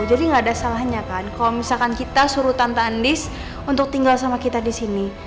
jadi gak ada salahnya kan kalau misalkan kita suruh tante andis untuk tinggal sama kita disini